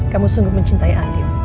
kamu sungguh mencintai al